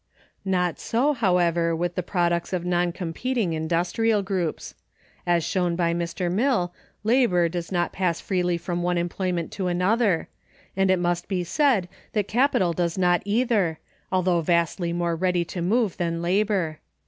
Not so, however, with the products of non competing industrial groups. As shown by Mr. Mill, labor does not pass freely from one employment to another; and it must be said that capital does not either, although vastly more ready to move than labor.